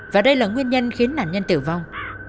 và đây là nguyên nhân khiến nạn nhân tử vong